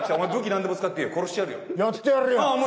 何でも使っていいやってやるよ！